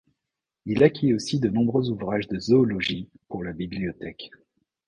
Il acquit aussi de nombreux ouvrages de zoologie pour la bibliothèque.